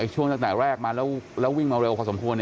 ช่วงตั้งแต่แรกมาแล้ววิ่งมาเร็วพอสมควร